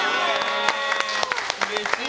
うれしい！